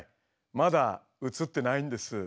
まだ映ってないんです。